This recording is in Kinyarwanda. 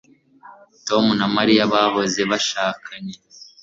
Tom na Mariya bahoze bashakanye